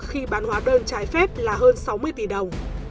khi bán hóa đơn trái phép là hơn sáu mươi tỷ đồng